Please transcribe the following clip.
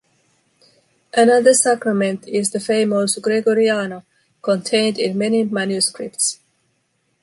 Another sacrament is the famous “Gregoriano”, contained in many manuscripts.